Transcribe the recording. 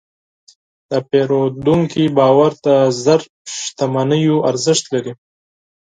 د پیرودونکي باور د زر شتمنیو ارزښت لري.